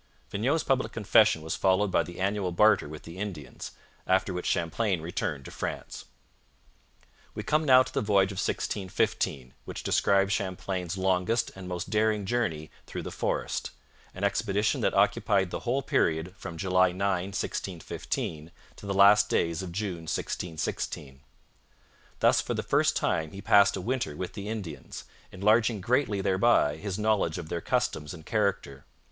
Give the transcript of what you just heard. Vignau's public confession was followed by the annual barter with the Indians, after which Champlain returned to France. We come now to the Voyage of 1615, which describes Champlain's longest and most daring journey through the forest an expedition that occupied the whole period from July 9, 1615, to the last days of June 1616. Thus for the first time he passed a winter with the Indians, enlarging greatly thereby his knowledge of their customs and character.